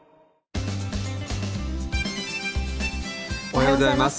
おはようございます。